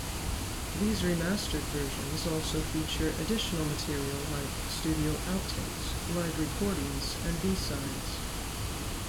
These remastered versions also feature additional material like studio outtakes, live recordings and B-sides.